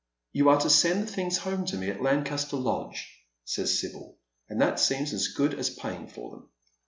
" You are to send the things home to me at Lancaster Lodge," says Sibyl, and that seems as good as paying for them.